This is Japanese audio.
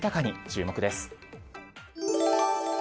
注目です。